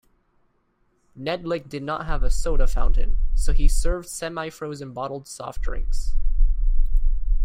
Knedlik did not have a soda fountain, so he served semi-frozen bottled soft drinks.